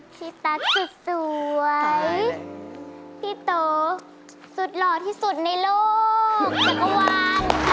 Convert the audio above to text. พี่ตัสสุดสวยพี่โตสุดหล่อที่สุดในโลกจักรวาล